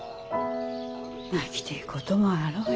泣きてえこともあろうえ。